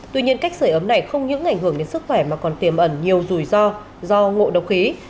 tuy nhiên cách sửa ấm này không những ảnh hưởng đến sức khỏe mà còn tiềm ẩn nhiều rủi ro do ngộ độc khí